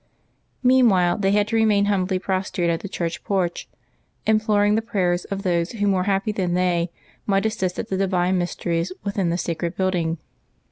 Meanwhile, they had to remain humbly prostrate at the church porch, imploring the prayers of those who, more happy than they, might assist at the divine mysteries within the sacred building.